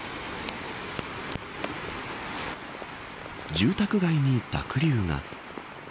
住宅街に濁流が。